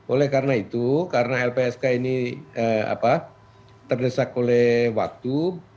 oleh karena itu karena lpsk ini terdesak oleh waktu